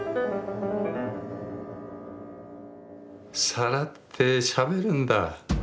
皿ってしゃべるんだ。